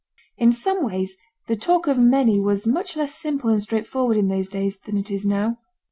In some ways the talk of many was much less simple and straightforward in those days than it is now.